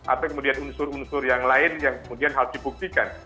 atau kemudian unsur unsur yang lain yang kemudian harus dibuktikan